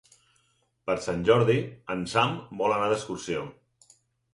Per Sant Jordi en Sam vol anar d'excursió.